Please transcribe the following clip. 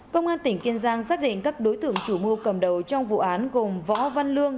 công an tỉnh kiên giang xác định các đối tượng chủ mưu cầm đầu trong vụ án gồm võ văn lương